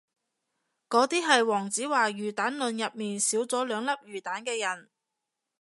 嗰啲係黃子華魚蛋論入面少咗兩粒魚蛋嘅人